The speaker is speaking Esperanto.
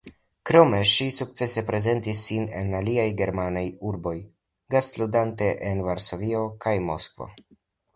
Krome ŝi sukcese prezentis sin en aliaj germanaj urboj gastludante en Varsovio kaj Moskvo.